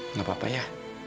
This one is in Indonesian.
nggak apa apa ya